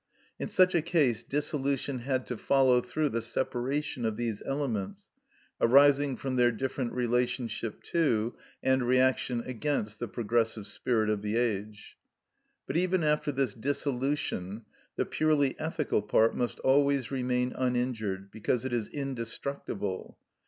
In such a case dissolution had to follow through the separation of these elements, arising from their different relationship to and reaction against the progressive spirit of the age. But even after this dissolution the purely ethical part must always remain uninjured, because it is indestructible.